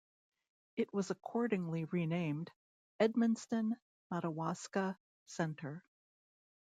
It was accordingly renamed Edmundston-Madawaska Centre.